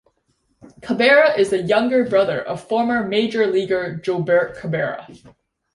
Cabrera is the younger brother of former major leaguer Jolbert Cabrera.